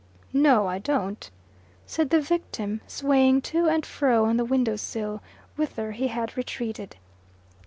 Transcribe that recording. "No, I don't," said the victim, swaying to and fro on the window sill, whither he had retreated.